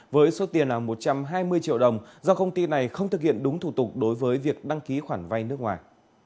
với số tiền là một trăm hai mươi triệu đồng do công ty này không thực hiện đúng thủ tục đối với việc đăng ký khoản vay nước ngoài